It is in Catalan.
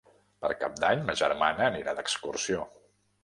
Per Cap d'Any ma germana anirà d'excursió.